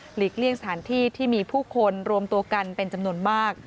เลี่ยงสถานที่ที่มีผู้คนรวมตัวกันเป็นจำนวนมาก